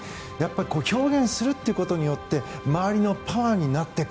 表現するということによって周りのパワーになっていく。